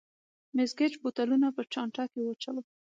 مېس ګېج بوتلونه په چانټه کې واچول.